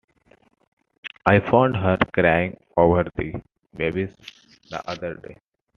I found her crying over the babies the other day.